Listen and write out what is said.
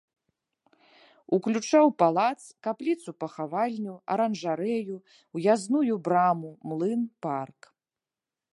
Уключаў палац, капліцу-пахавальню, аранжарэю, уязную браму, млын, парк.